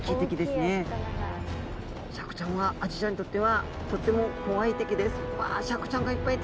シャークちゃんはアジちゃんにとってはとっても怖い敵です。